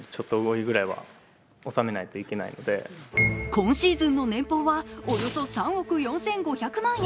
今シーズンの年俸はおよそ３億５４００万円。